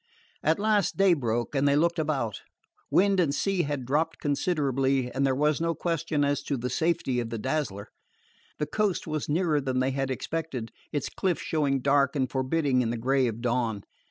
At last day broke, and they looked about. Wind and sea had dropped considerably, and there was no question as to the safety of the Dazzler. The coast was nearer than they had expected, its cliffs showing dark and forbidding in the gray of dawn.